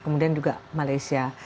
kemudian juga malaysia